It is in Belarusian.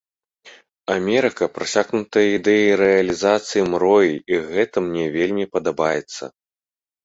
Амерыка прасякнутая ідэяй рэалізацыі мроі і гэтым мне вельмі падабаецца.